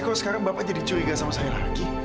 kok sekarang bapak jadi curiga sama saya lagi